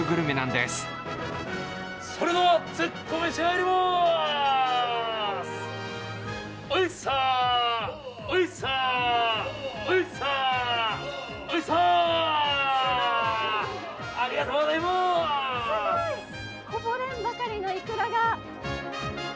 すごい、こぼれんばかりのイクラが。